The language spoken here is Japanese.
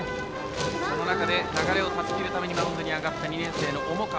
その中で流れを断ち切るためにマウンドに上がった２年生の重川。